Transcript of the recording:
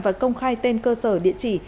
và công khai tên cơ sở địa chỉ